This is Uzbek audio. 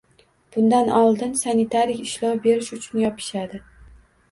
Bundan oldin sanitarik ishlov berish uchun yopishadi